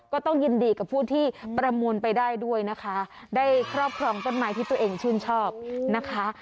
ก็ต้องยินดีกับผู้ที่ประมูลไปได้ด้วยนะคะได้ครอบครองต้นไม้ที่ตัวเองชื่นชอบนะคะ